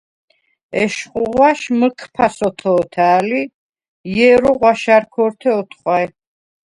ეშხუ ღვაშ მჷქფას ოთო̄თა̄̈ლ ი ჲერუ ღვაშა̈რ ქორთე ოთხვა̈ჲ.